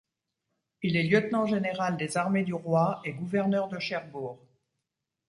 Il est lieutenant général des armées du roi et gouverneur de Cherbourg.